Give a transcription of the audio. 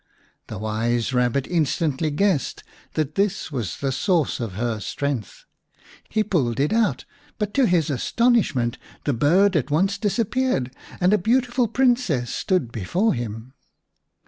The wise Eabbit instantly guessed that this was the source of her strength. He pulled it out, but to his astonishment the bird at once disappeared, and a beautiful Princess stood before him.